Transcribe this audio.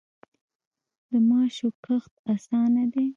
د ماشو کښت اسانه دی.